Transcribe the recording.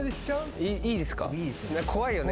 怖いよね。